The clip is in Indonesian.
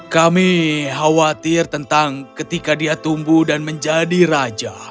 kami khawatir tentang ketika dia tumbuh dan menjadi raja